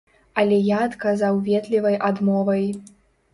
Але я адказаў ветлівай адмовай.